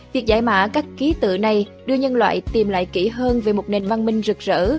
việc giải mã các ký tự này đưa nhân loại tìm lại kỹ hơn về một nền văn minh rực rỡ